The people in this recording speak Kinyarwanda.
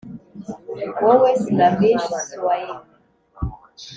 wowe slavish swain,